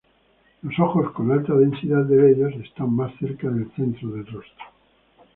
Los ojos, con alta densidad de vellos, están más cerca del centro del rostro.